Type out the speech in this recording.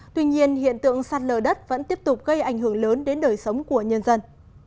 tuy nhiên hiện tượng sạt lở đất vẫn tiếp tục gây ảnh hưởng lớn đến đời sống của nhân dân